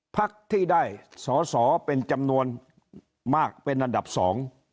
พักที่ได้สอสอเป็นจำนวนมากเป็นอันดับสอง